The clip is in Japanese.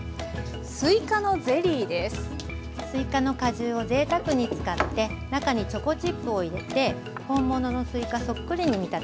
すいかの果汁をぜいたくに使って中にチョコチップを入れて本物のすいかそっくりに見立てました。